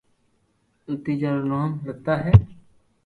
تيجا رو نوم لتا ھي